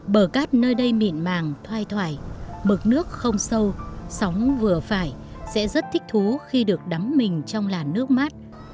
bờ cát nơi đây mịn màng thoai thoải mực nước không sâu sóng vừa phải sẽ rất thích thú khi được đắm mình trong làn nước mát